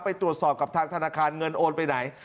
ไปตรวจสอบกับทางธนาคารเงินโอนไปไหน